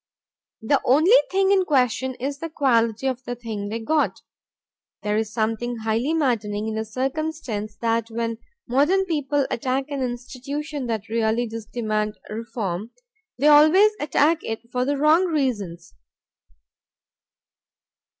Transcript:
The only thing in question is the quality of the thing they got. There is something highly maddening in the circumstance that when modern people attack an institution that really does demand reform, they always attack it for the wrong reasons.